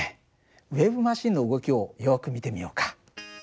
ウエーブマシンの動きをよく見てみようか。